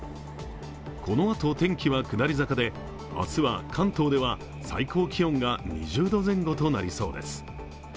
このあと天気は下り坂で、明日は関東では最高気温が２０度前後となりそうです。